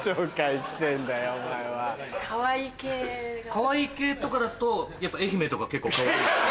かわいい系とかだとやっぱ愛媛とか結構かわいい。